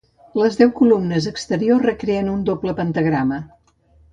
Les deu columnes exteriors recreen un doble pentagrama.